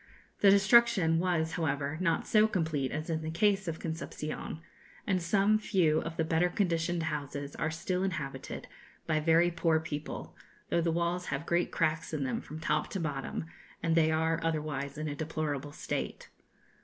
The destruction was, however, not so complete as in the case of Concepcion, and some few of the better conditioned houses are still inhabited by very poor people, though the walls have great cracks in them from top to bottom, and they are otherwise in a deplorable state.